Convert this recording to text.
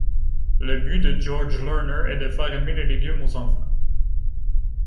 Le but de George Lerner est de faire aimer les légumes aux enfants.